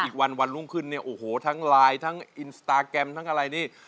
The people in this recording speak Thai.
อีกวันวันรุ่งขึ้นเนี่ยโอ้โหทั้งไลน์ทั้งอินสตาแกรมทั้งอะไรนี่